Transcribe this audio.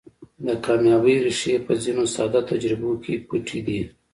د کاميابۍ ريښې په ځينو ساده تجربو کې پټې دي.